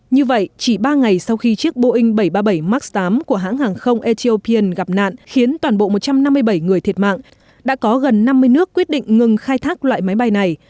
như vậy chỉ ba ngày sau khi chiếc boeing bảy trăm ba mươi bảy max tám của hãng hàng không ethiopian gặp nạn khiến toàn bộ một trăm năm mươi bảy người thiệt mạng đã có gần năm mươi nước quyết định ngừng khai thác loại máy bay này